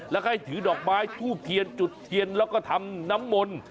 แล้วก็ให้ถือดอกไม้ทูบเทียนจุดเทียนแล้วก็ทำน้ำมนต์